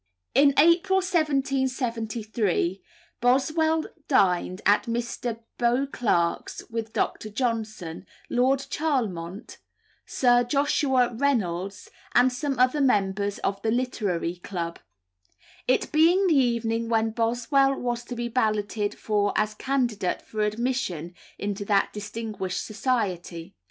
In April 1773 Boswell dined at Mr. Beauclerk's with Dr. Johnson, Lord Charlemont, Sir Joshua Reynolds, and some other members of the Literary Club it being the evening when Boswell was to be balloted for as candidate for admission into that distinguished society.